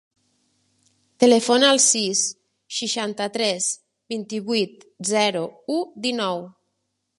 Telefona al sis, seixanta-tres, vint-i-vuit, zero, u, dinou.